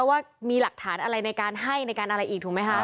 ว่ามีหลักฐานอะไรในการให้ในการอะไรอีกถูกไหมคะ